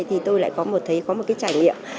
thì tôi lại có một cái trải nghiệm